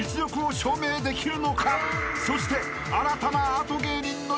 ［そして］